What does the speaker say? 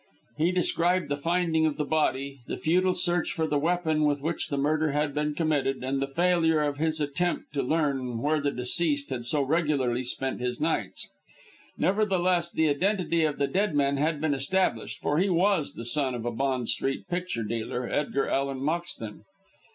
He described the finding of the body, the futile search for the weapon with which the murder had been committed, and the failure of his attempt to learn where the deceased had so regularly spent his nights. Nevertheless, the identity of the dead man had been established, for he was the son of a Bond Street picture dealer, Edgar Allan Moxton.